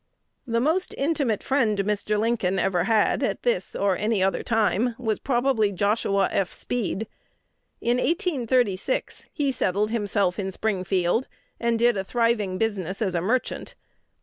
The most intimate friend Mr. Lincoln ever had, at this or any other time, was probably Joshua F. Speed. In 1836 he settled himself in Springfield, and did a thriving business as a merchant.